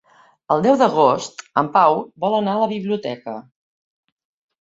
El deu d'agost en Pau vol anar a la biblioteca.